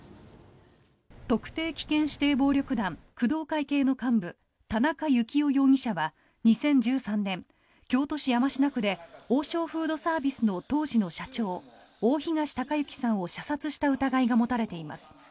特定危険指定暴力団工藤会系の幹部、田中幸雄容疑者は２０１３年、京都市山科区で王将フードサービスの当時の社長大東隆行さんを射殺した疑いが持たれています。